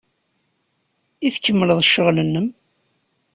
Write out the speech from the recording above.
I tkemmleḍ ccɣel-nnem?